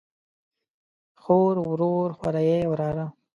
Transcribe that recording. خور، ورور، خوریئ ،وراره